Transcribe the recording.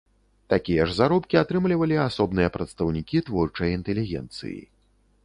Такія ж заробкі атрымлівалі асобныя прадстаўнікі творчай інтэлігенцыі.